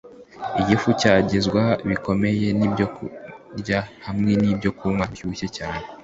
igifu cyangizwa bikomeye n'ibyokurya hamwe n'ibyokunywa bishyushye cyane